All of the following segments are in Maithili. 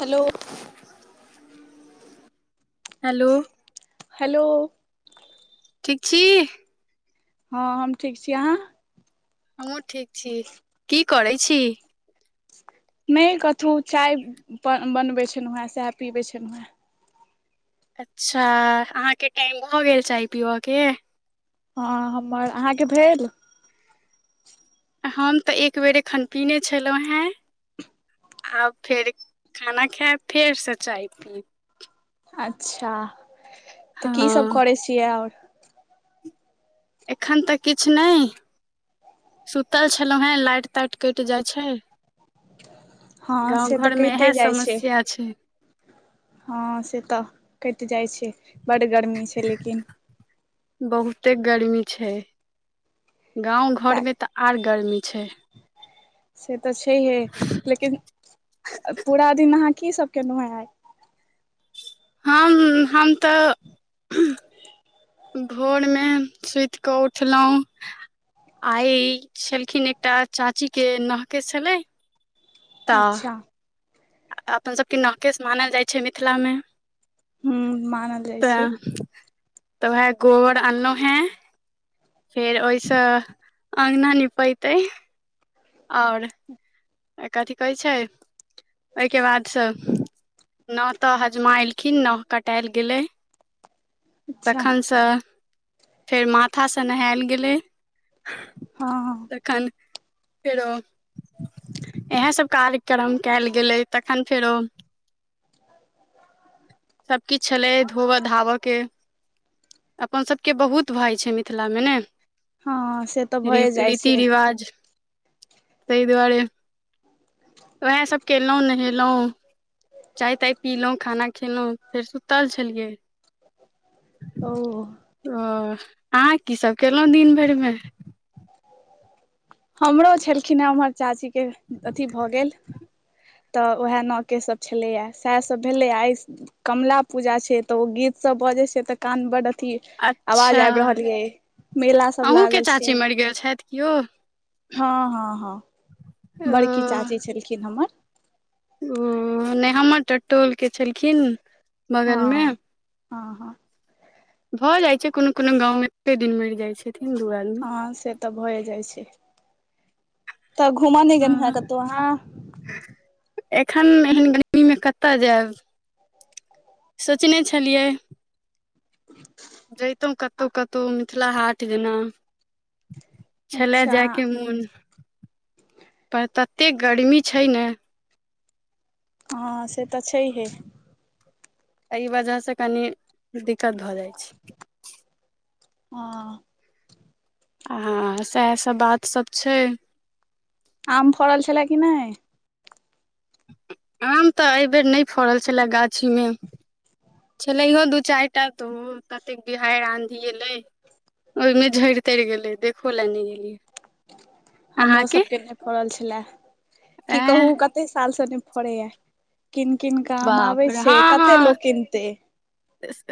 Hello hello hello. ठीक छी। हँ हम ठीक छी अहाँ हमहुँ ठीक छी की करै छी नहि कतहु चाय बनबैत छलहुँ हेँ सएह पीबैत छलहुँ हेँ अच्छा अहाँ के टाइम भ गेल चाय पिबा के? हां हम्मर, अहाँ के भेल? हम तै एकबेर एखन पीने छलो हेँ। आब फेर खाना खैब फेर सऽ चाय पी अच्छा त की सब हँ करै छियै और? एखन तऽकिछ नै। सुतल छलो हें, लाइट-ताइट कैट जाए छै। हँ से तऽ गाँव-घर मे कहिते एहे समस्या छै। हां से तऽ कैट जाइ छै, बड गर्मी छै लेकिन। बहुते गर्मी छै, गाँव-घर तऽ में त आर गर्मी छै। से त छैहे लेकिन अ-अ पूरा दिन अहाँ की सब केनो यै आइ? हँ हम तै भोर में सुत के उठलो। आइ छलखिन एकटा चाची के नह-केश छले। अच्छा। अ अपन सबके नह-केश मानल जाए छै मिथिला में। हूँ मानल जाइ तै छै तै वहे गोबर आनलो हें। फेर ओय सऽ अंगना निपेतै। और कथी कहै छै ओय के बाद से नह तऽ हजमा एलखिन्ह नह कटाएल गेलै। अच्छा तखन सऽ फेर माथा सऽ नहैल गेलै। हँ तखन फेरो इहे सब कार्यक्रम कैल गेलै तखन फेरो सब किछ छलै धोबा-धाबा के। अपन सबके बहुत भाय छै मिथिला में नै। हँ से तऽ री भए जाइ छै रीति-रिवाज तै दुआरे वेहे सब केलौ नहेलो चाय-ताय पीलौ, खाना खेलौ फेर सुतल छलियै। ओ ओ अहाँ की सब केलौ दिन भर में? हमरो छलखिन्ह हें उम्हर चाची के अथी भऽ गेल तऽ उहे नह-केश सब छलै यै सैह सब भेलै आइ कमला पूजा छै तऽ ओ गीत सब बजे छै तऽ कान बड अथी अच्छा आवाज आएब रहल यै, मेला सब अहूँके लागल छै। चाची मरि गेल छैथ। कियो। हां-हां-हां बड़की चाची छलखिन्ह हमर। ओ नै हमर तऽ टोल के छलखिन्ह। हां-हां-हां। भऽ जाइ छै कुनु-कुनु गाँव में एके दिन मैर जाय छथिन दू आदमी। हां से तऽ भऽ ए जाइ छै तऽ घूमय नै गेलु हें हँ कतौ अहाँ? एखन एहन गर्मी में कता जाएब? सोचने छलियै। जयतौ कतहु कतहु मिथिला हाट जेना। छले अच्छा जाय के मुन पर तत्ते गर्मी छै ने हँ से तऽ छैहे। अइ वजह से कनी दिक्कत भऽ जाइ छै। हँ। आ सएह सब बात सब छै। आम फराल छले कि नय। आम तऽ एहिबेर नय फड़ल छले गाछीमे। छेलैहो दू चारि टा तो ओ कतेक बिहाड़ि आंधी एलै। ओहिमे झड़ि तरि गेलै देखो लए नहि गेलियै। हमरो अहाँके सबके नय पड़ल छलए की एं कहू कत। कते साल से नहि फड़े य कीन किन कऽ आम बाप आबे रे छ हँ कते हँ लोक किनते।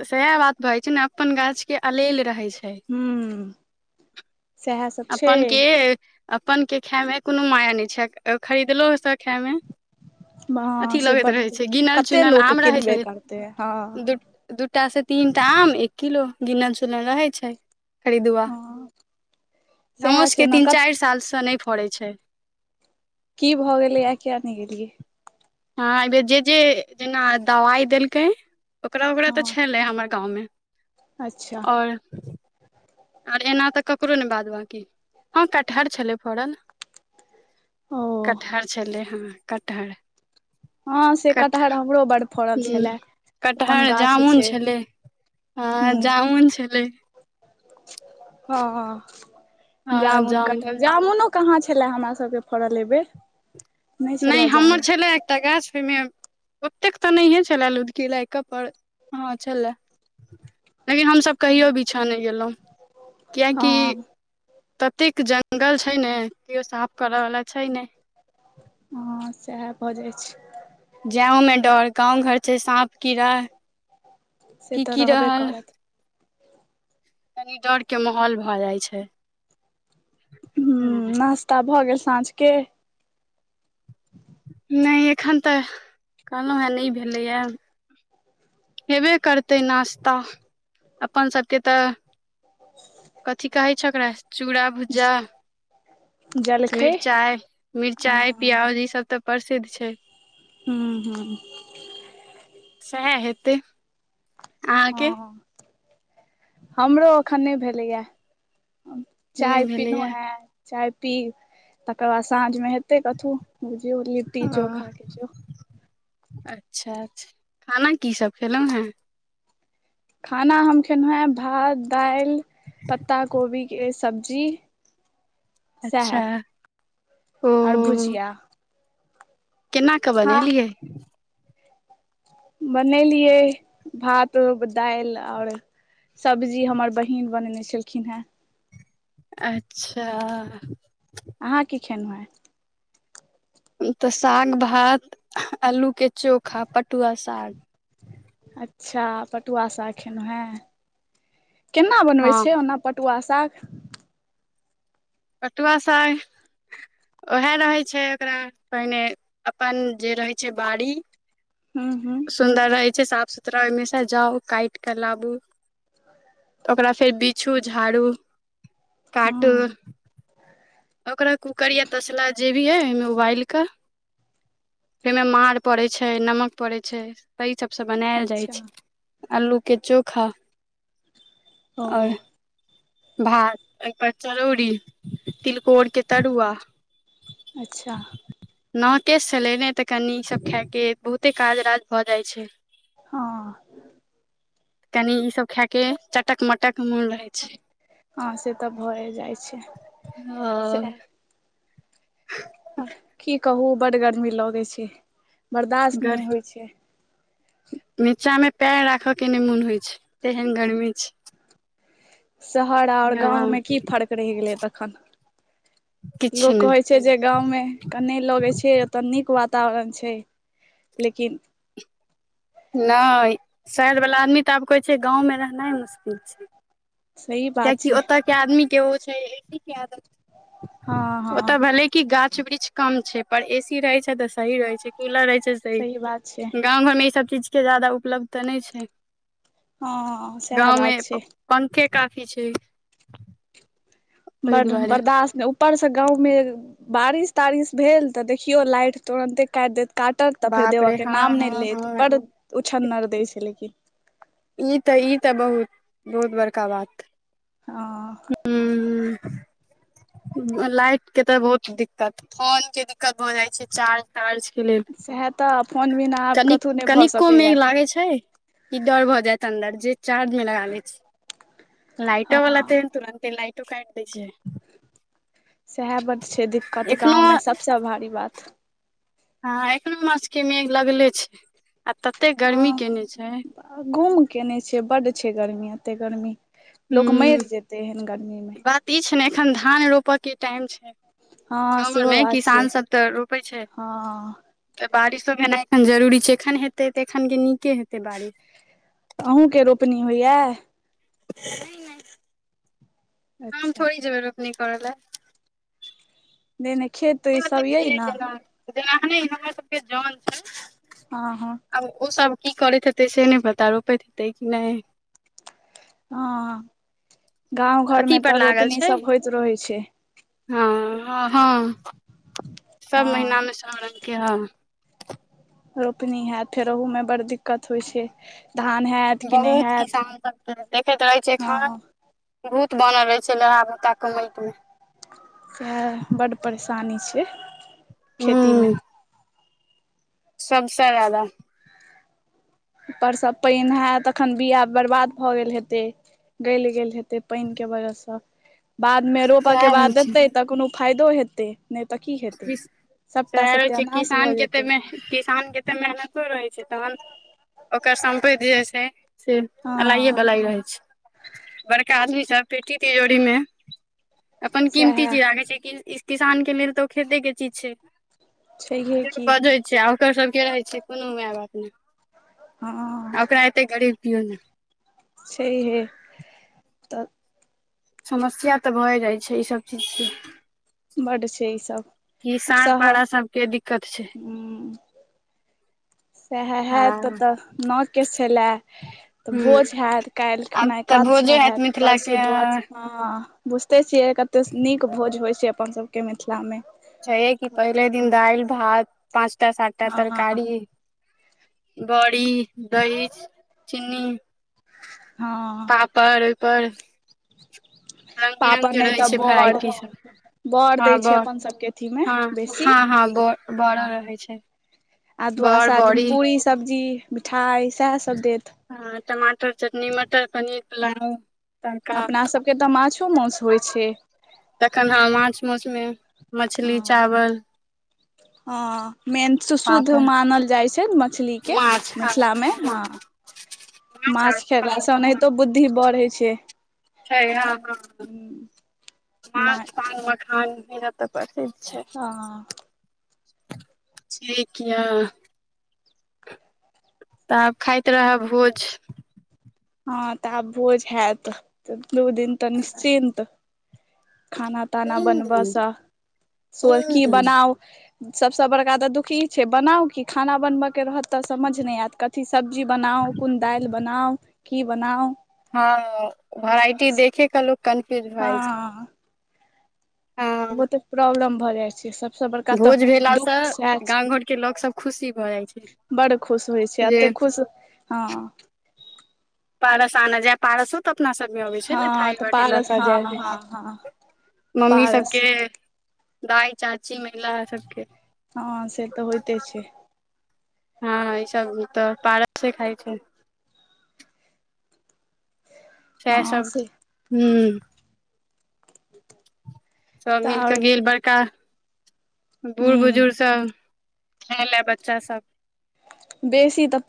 सएह बात भछै ने अपन गाछ के अलेल रहै छै। हूं सएह सब छै अपन के अपन के खायमे कोनो माया नय छै खरीदलहु सह खायमे। हँ अथी से लगैत बड रहै छै गिनल कते चुनल लोक आम रहैत किनबे छै करतै हँ दू। दूटा से तीन टा आम एक किलो गिनल चुनल रहै छै खरीदु। हँ हमर सएह छै सबके ने तीन क चारि सालसँ नय फड़ै छै। की भऽ गेलै आ किया ने गेलियै। हँ एहि बेर जे जे जेना दवाइ देलकै। ओकरा ओकरा हँ तऽ छलै हमर गाँवमे। अच्छा। आ। आर एना तऽ ककरो नय बाद बाँकी हँ कटहर छलै फड़ल। ओ कटहर छलै हेन कटहर। हँ से कटहर कटह हमरो बड फड़ल हू छलए अपन कटहर गाछ जामुन छै छलै। हँ हूं जामुन छलै। हँ जामुन कटहल जामुनो। कहाँ छले हमरा सबके फड़ल एबेर। नय हमर छेलै एकटा गाछ ओहिमे। ओतेक तऽ नहिये छलए लूदकी लइका पर हँ छलए। लेकिन हमसभ कहियो बिछाँ नय गेलौं हँ कियेकि। ततेक जङ्गल छै ने केओ साफ करऽवला छै नय। हँ सएह भऽ जाइ छै। जैं ओमे डर गाँव घर छै साँप कीड़ा। से की तऽ की रहबे रहल करत। कनी डर के माहौल भऽ जाइ छै हँ। तब भऽ गेल साँझके। नय एखन तऽ कहलौं हेँ नय भेलैए। हेबे करतै नाश्ता अपन सभके तऽ। कथी कहै छै ओकरा चूड़ा भुजा। जलखै मिरचाइ हँ मिरचाई प्योज ई सब तऽ प्रसिद्ध छै। हूंम्म हूंम्म सेए हेतै। अहाँके हँ हमरो एखन नय भेलैए। नहि चाय पीलौं भेलैया हें चाय पीब तकर बाद साँझमे हेतै कथु। लिट्टी चो ओ खा के चो। अच्छा अच्छा खाना की सब खेलौ हेँ। खाना हम खेलौ हे भात दालि पत्ता कोबी के स सब्जी सएह अच्छा ओ आर भुजिया। केना कऽ हँ बनेलियै। बनेलियै भात दालि आओर सब्जी हमर बहिन बनेने छलखिन हेँ। अच्छा। अहाँ की खेेनौ आय तऽ साग भात अलूके चोखा पटुआ साग। अच्छा पटुआ साग खेनु हें केना बनबै हँ छै ओना पटुआ साग। पटुआसाग ओएह रहै छै। ओकरा पहिने अपन जे रहै छै। बाड़ी ह हँ सुन्दर रहै छै। साफ सुथरा ओहिमे से जाउ काट कऽ लाबू ओकरा फेर बिछू झाड़ू काटू। हँ ओकरा कूकर या तसला जे भी हइ ओहिमे उबालि कऽ ओहिमे माँड़ पड़ै छै। नमक पड़ै छै। तहि सबसँ बनायल जाइ अच्छा छै। अलू के चोखा ओ आओर भात एहिपर चरौरी तिलकोरके तरुआ अच्छा नकेश छलै। नहि तऽ कनि ईसभ खायके बहुते काज राज भऽ जाइत छै। हँ कनि ई सब खाय के चटक मटक मोन रहेछै। हँ से तऽ भए जाइ छै। हँ आओर की कहू बड्ड गर्मी लगै छै। बर्दश्त नहि होइत छै। नीचा में पेयर राखे के नहि मोन होइ छै। तेहन गर्मी छै। शहर आओर हँ गाँंव में की फर्क रहि गेलै। तखन किछु लोक कहै छै। छै जे गाँवमे कने लगै छै। ओतऽ नीक वातावरण छै। लेकिन नहि शहर वाला आदमी तऽ आब कहै छै। गाँंवं रहनाइ ह मुश्किल छै। सही बात कियाकि छै ओत के आदमी के ओ छै। ए सी के आदत हँ हँ ओतऽ भले। की गाछ वृक्ष कम छै। पर ए सी रहे छै। तऽ सही रहै छै। कूलर रहे छै। सही बात छै। गाँंव घर मे ई सब चीज के जादा उपलब्ध त नहि छै। हँ सएह गाँंव बात मे छै पंखे काफी छै। ओहि बड दुआरे बर्दाश्त ऊपर से गाँव मे बारिश तारिश भेल। तऽ देखियौ लाइट तुरंते काटि देत काटत तऽ फेर बाप रे देबऽके हँ नाम नहि हँ लेत हँ बड उछ्छनर दै छै। लेकिन ई तऽ ई तऽ बहुत बहुत बड़का बात ह ह ह लाइट के तऽ बहुत दिक्कत फोन के दिक्कत भऽ जाइ छै। चार्ज तार्ज के लेल सएह त फोन बिना आब कान कतहु नहि भऽ कनिको मेघ सकैए लागै छै। ई डर भऽ जायत अन्दर जे चार्ज मे लगा ले छी। लाइटो हँ वाला ते तुरंते लाइट काटि दऽ छै। सएह बात छै। दिक्कत एखनो गावमे सभसे भारी बात ह एनो मास के मेघ लगले छै। आ तते गर्मी केने छै। घूम केयने छै बड़ छै। गर्मी एते गर्मी लोक मरि जेते है गर्मी म किछु नहि एखन धान रोपय के टाइम छै। हँ गाव सेहो घरमे बात छै किसानसभ तऽ रोपै छै हँ तऽ बारिशो भेनाइ एखन जरूरी छै एखन हेते तऽ एखन नीके हेतै बारिश अहुँके रोपनी होइया नहि काम अच्छा थोड़ी जेबै अपनी करै लए। देने खेत ई नहि सभ मतलब यइ जे ने जेना जेना अखने हमरा सभके जन छै। ह ह आब ओ सभ कि करैत हेतै से नहि पता रोपैत हेतै कि नहि हॅं हँ गाव घर मे अथी तऽ पर लागल रोपनी छै सभ होइत रहै छै हँ हँ सभ हँ महिनामे सभ रंग‌ आम रोपनी हत फेर ओहूमे बड़ दिक्कत होई छै धान हैत कि नहि बहुत हैत किसान सभके देखैत रहै छै खान हँ भूत बनल रहे छै लहा बुता के माटि म तऽ बड्ड परेशानी छैय खेतीमे सभसँ जदा ऊपरसँ पेन हात तखन बिआ बर्बाद भऽ गेल हेतै गलि गेल हेते पानि के वजहसँ बाद मे रोपय के सएह रहै बाद देते तऽ कोनो फायदो हेते नहि तऽ कि हेतै छै सभटा सएह रहै छै सत्यानाश किसान भऽ के तऽ जेतै मे किसान केते मेहनतो रहै छै तहन ओकर सम्पति जाई छै। से हँ अलाइएवलाई रहै छै बड़का आदमीसभ पेटी तिजोरीमे अपन किमती सएह चीज राखैत छै कि किसानके मिल तऽ खेतेके चीज छै छैहे की पधै छै ओकर सभके रहै छै कोनो माय बाप नहि ह कतेक गरीबियओ नहि। छैह हे त समस्या तऽ भए जाइ छै ई सभ चीज स बड छै ई सभ किसान पारा सभके दिक्कत छै वए हए आ तऽ तऽ नकेस छल तऽ हूँ भोज हयत काल्हि आब खुनाइ तऽ एकादसा भोजे कातसँ हैत हयत मिथिला के परसू दुआदसा ह बुझते छियै कते नीक भोज होइ छै अपन सभके मिथिला मे छै कि पहिले दिन दालि भात पाँचटा सातटा हँ तरकारी बड़ी दही चीनी। ह पापड़ ओहि पर पापड़ नहि रहे त छै वेराइटी सब बड़ बर दै हँ छै बड़ अपन सभके अथी मे हँ बेसी हँ हँ ब बड़ो ह रहै छै आ बड़ दुवादसा दिन बड़ी पूड़री सब्जी मिठाई सएह सभ देत ह टमाटर चटनी मटर पनीर पुलाउ अपना सभके तऽ माछो माउस होइत छै। तखन ह माछ माछमे मछली चावल ह मेन सुशुद्ध पापड़ मानल जाई छै मछलीके माछ हँ मिथिलामे ह माछ खेललासँ ओनाहितो बुद्धि बढ़ होई छै छै हँ हँ माछ पान मखान मिल त परतैय न छय ठीक य तऽ आब खाइत रह भोज। ह तऽ आब भोज हयत दू दिन तऽ निश्चिन्त खाना ताना तीन बनबा दिन से कि हूँ बनाउ सभसँ बड़का तऽ दुखी छै बनाउ कि खाना बनबयके रहत तऽ समझ नहि आयत कथी सब्जी बनाउ कोन दालि बनाउ। कि बनाउ ह भराइटी देखे के लोग कन्फ्यूज भए जाइ छै हँ हँ बहुते प्रॉब्लम भऽ जाई छै सभ सभ बड़का तऽ भोज भेलासँ दुख गाँव घरके लोक सब खुशी भऽ जाइ छै ब खुश होई छै जे एते खुश हँ पारस आना जाय पारसो तऽ अपना सभमे अबै छै ने थइ हँ तऽ बाटी लऽ पारस के हँ जाई हँ हँ मम्मी पारस सभके दाय चाची महिला सभके ह से तऽ होइते छै। हँ ई सभ तऽ पारक से खाइ छै। सेएह हँ सभ से हू सभ तऽ मिलके आओर गेल बड़का बूढ़ हूँ बुजुर्ग सभ ख ले बच्चा सभ बेसी तऽ